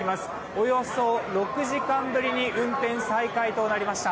およそ６時間ぶりに運転再開となりました。